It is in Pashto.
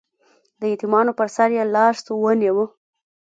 د یتیمانو په سر یې لاس ونیو